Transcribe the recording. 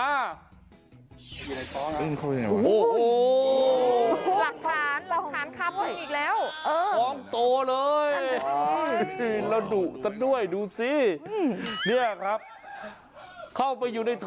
อะไรเลยที่เข้าไปอยู่ในนั้น